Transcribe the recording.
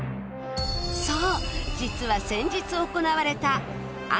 そう実は先日行われたＵ